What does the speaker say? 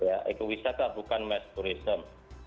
ekowisata bukan meskulisem